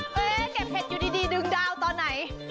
เก็บเห็ดอยู่ดีดึงดาวตอนไหน